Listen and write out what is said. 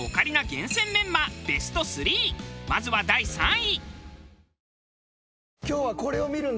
まずは第３位。